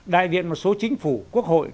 đại diện một số chính phủ quốc hội